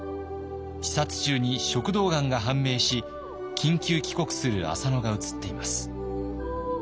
視察中に食道がんが判明し緊急帰国する浅野が映っています。